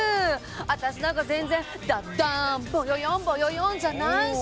私なんか全然「ダッダーンボヨヨンボヨヨン」じゃないし。